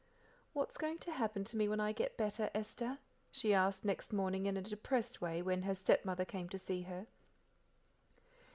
"What's going to happen to me when I get better, Esther?" she asked next morning, in a depressed way, when her stepmother came to see her.